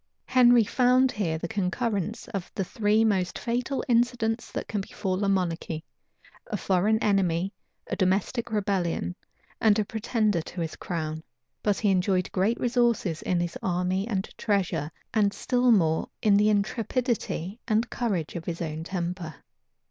Henry found here the concurrence of the three most fatal incidents that can befall a monarchy; a foreign enemy, a domestic rebellion, and a pretender to his crown; but he enjoyed great resources in his army and treasure, and still more in the intrepidity and courage of his own temper.